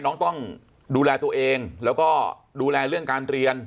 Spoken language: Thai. น้องต้องดูแลตัวเองแล้วก็ดูแลเรื่องการเรียน